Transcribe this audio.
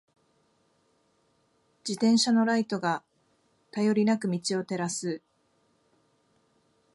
自転車のライトが、頼りなく道を照らす。